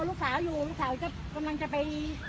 ลูกสาวอยู่ลูกสาวจะกำลังจะไป